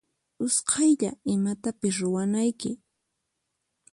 Usqaylla imatapis ruwanayki.